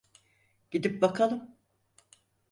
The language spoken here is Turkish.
Gidip bakalım.